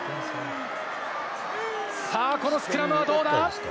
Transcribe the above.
さあ、このスクラムはどうだ？